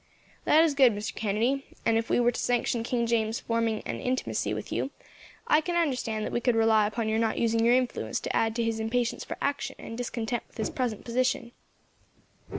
"That is good, Mr. Kennedy; and, if we were to sanction King James's forming an intimacy with you, can I understand that we could rely upon your not using your influence to add to his impatience for action, and discontent with his present position?"